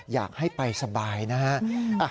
อยากให้ไปสบายนะฮะ